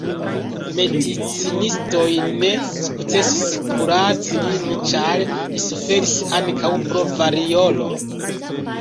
Medicinistoj ne sukcesis kuraci lin, ĉar li suferis ankaŭ pro variolo.